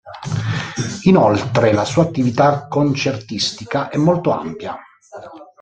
Inoltre la sua attività concertistica è molto ampia.